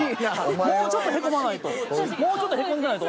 もうちょっとヘコまないと。